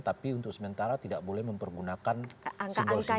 tapi untuk sementara tidak boleh mempergunakan simbol simbol